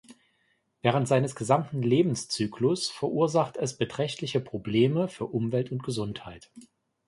Während seines gesamten Lebenszyklus verursacht es beträchtliche Probleme für Umwelt und Gesundheit.